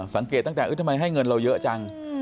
สังเกตตั้งแต่ทำไมให้เงินเราเยอะจัง